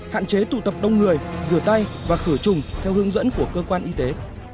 hạn chế tụ tập đông người rửa tay và khử trùng theo hướng dẫn của cơ quan y tế